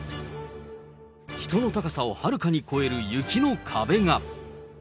人の高さをはるかに超える雪の壁が。